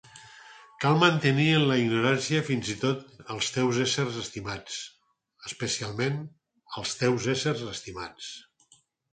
Cal mantenir en la ignorància fins i tot els teus éssers estimats, especialment els teus éssers estimats.